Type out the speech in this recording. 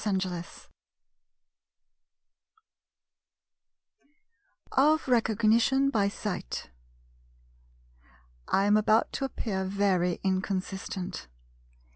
§ 6 Of Recognition by Sight I am about to appear very inconsistent.